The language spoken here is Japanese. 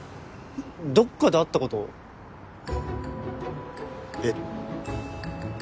どっかで会ったことえっ？